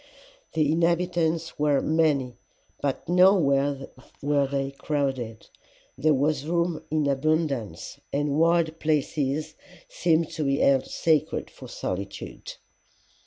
"'The inhabitants were many, but nowhere were they crowded. There was room in abundance, and wild places seemed to be held sacred for solitude.